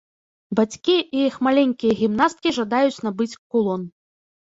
Бацькі і іх маленькія гімнасткі жадаюць набыць кулон.